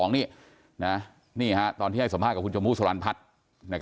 นี่ครับตอนที่ให้สัมภาษณ์กับคุณจมูธสวรรพัฒน์